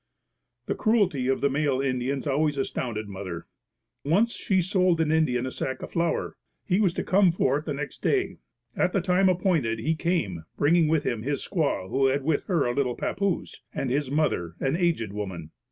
The cruelty of the male Indians always astounded mother. Once she sold an Indian a sack of flour. He was to come for it the next day. At the time appointed he came, bringing with him his squaw who had with her a little papoose, and his mother, an aged woman.